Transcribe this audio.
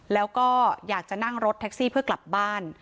แล้วก็อยากจะนั่งรถแท็กซี่เพื่อกลับบ้าน